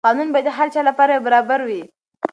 قانون باید د هر چا لپاره یو برابر وي.